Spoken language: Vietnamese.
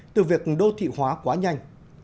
từ việc đô thị hóa quá nhanh